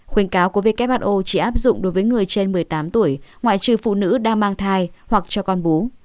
khuyên cáo của who chỉ áp dụng đối với người trên một mươi tám tuổi ngoại trừ phụ nữ đang mang thai hoặc cho con bú